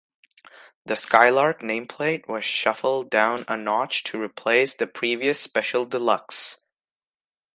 The Skylark nameplate was shuffled down a notch to replace the previous Special Deluxe.